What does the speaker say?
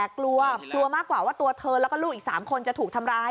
กลัวกลัวมากกว่าว่าตัวเธอแล้วก็ลูกอีก๓คนจะถูกทำร้าย